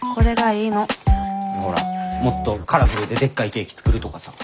ほらもっとカラフルででっかいケーキ作るとかさ。